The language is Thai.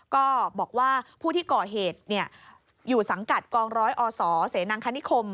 ก็บอกว่าผู้ที่ก่อเหตุอยู่สังกัดกองร้อยอศเสนังคณิคม